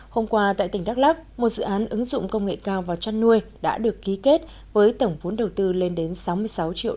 hôm qua tại tỉnh đắk lắc một dự án ứng dụng công nghệ cao vào chăn nuôi đã được ký kết với tổng vốn đầu tư lên đến sáu mươi sáu triệu đồng